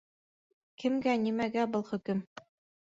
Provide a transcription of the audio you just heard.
Кемгә, нимәгә был хөкөм?